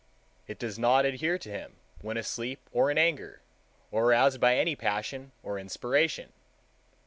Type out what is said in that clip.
It does not adhere to him when asleep or in anger, or aroused by any passion or inspiration.